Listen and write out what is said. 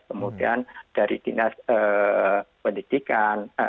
kemudian dari dinas pendidikan